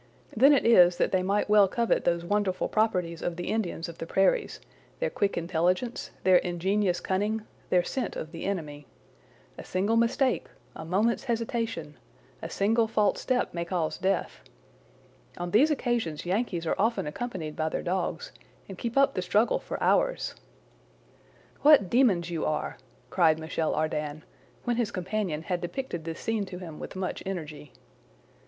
Then it is that they might well covet those wonderful properties of the Indians of the prairies—their quick intelligence, their ingenious cunning, their scent of the enemy. A single mistake, a moment's hesitation, a single false step may cause death. On these occasions Yankees are often accompanied by their dogs, and keep up the struggle for hours. "What demons you are!" cried Michel Ardan, when his companion had depicted this scene to him with much energy.